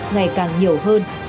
ngày càng nhiều hơn